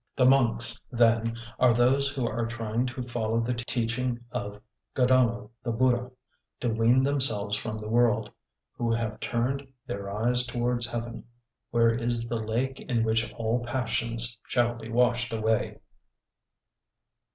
The monks, then, are those who are trying to follow the teaching of Gaudama the Buddha, to wean themselves from the world, 'who have turned their eyes towards heaven, where is the lake in which all passions shall be washed away.'